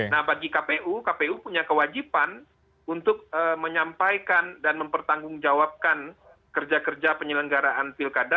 nah bagi kpu kpu punya kewajiban untuk menyampaikan dan mempertanggungjawabkan kerja kerja penyelenggaraan pilkada